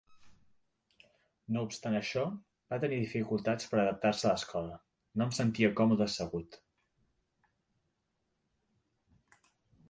No obstant això, va tenir dificultats per adaptar-se a l'escola: "No em sentia còmode assegut.